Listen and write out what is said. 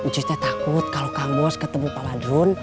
juy teh takut kalau kambos ketemu pak badrun